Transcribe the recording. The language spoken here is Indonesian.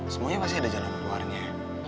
semuanya masih ada jalan keluarnya